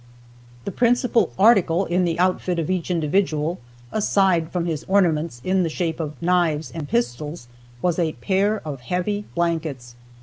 The principal article in the outfit of each individual, aside from his ornaments in the shape of knives and pistols, was a pair of heavy blankets.